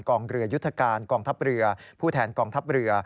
เรือยุทธการกองทัพเรือผู้แทนกองทัพเรือ